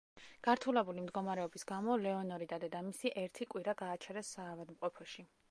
გართულებული მდგომარეობის გამო, ლეონორი და დედამისი ერთი კვირა გააჩერეს საავადმყოფოში.